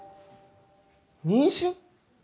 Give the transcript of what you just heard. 妊娠？